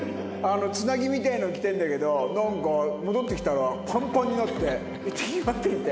つなぎみたいなの着てるんだけどなんか戻ってきたらパンパンになって「行ってきマーティン！」